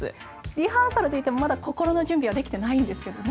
リハーサルといっても心の準備はまだできてないんですけどね。